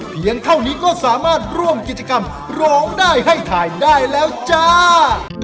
เพียงเท่านี้ก็สามารถร่วมกิจกรรมร้องได้ให้ถ่ายได้แล้วจ้า